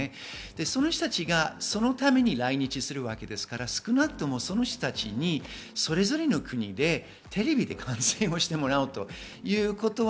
その人たちがそのために来日するわけですから、その人たちにそれぞれの国で、テレビで観戦してもらうということは